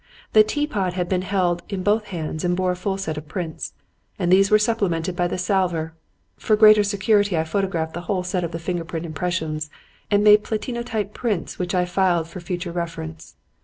The teapot had been held in both hands and bore a full set of prints; and these were supplemented by the salver. For greater security I photographed the whole set of the finger impressions and made platinotype prints which I filed for future reference.